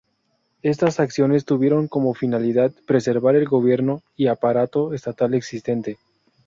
Estas acciones tuvieron como finalidad preservar el gobierno y aparato estatal existente.